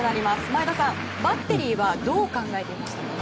前田さん、バッテリーはどう考えていましたか？